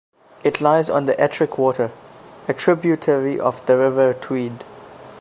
It lies on the Ettrick Water, a tributary of the River Tweed.